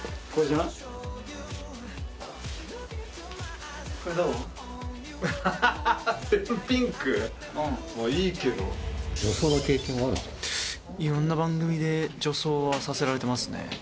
まあいいけどいろんな番組で女装はさせられてますね